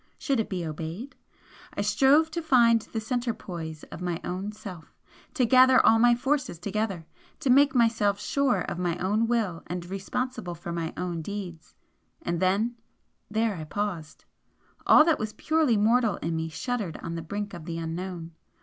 Should it be obeyed? I strove to find the centre poise of my own self to gather all my forces together, to make myself sure of my own will and responsible for my own deeds, and then then I paused. All that was purely mortal in me shuddered on the brink of the Unknown.